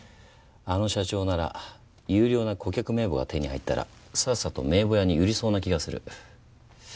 あの社長なら優良な顧客名簿が手に入ったらさっさと名簿屋に売りそうな気がする。